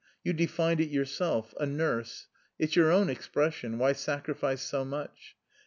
You defined it yourself, 'a nurse' it's your own expression; why sacrifice so much?